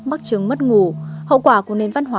mắc chứng mất ngủ hậu quả của nền văn hóa